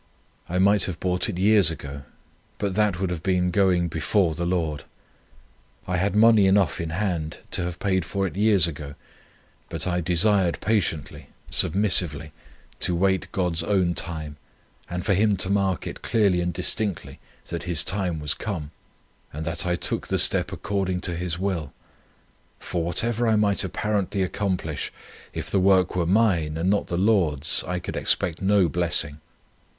I might have bought it years ago; but that would have been going before the Lord. I had money enough in hand to have paid for it years ago; but I desired patiently, submissively, to wait God's own time, and for Him to mark it clearly and distinctly that His time was come, and that I took the step according to His will; for whatever I might apparently accomplish, if the work were mine, and not the Lord's, I could expect no blessing.